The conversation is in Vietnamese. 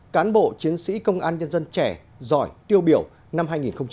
cán bộ chiến sĩ công an nhân dân trẻ giỏi tiêu biểu năm hai nghìn hai mươi